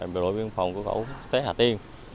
bộ đội biên phòng của khu phố tế hà tiên